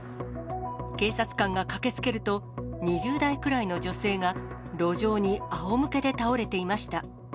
警察官が駆けつけると、２０代くらいの女性が、路上にあおむけで倒れていました。